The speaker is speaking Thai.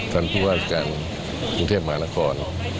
ภพกังเทพมหานคร